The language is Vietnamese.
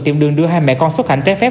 tiệm đường đưa hai mẹ con xuất cảnh trái phép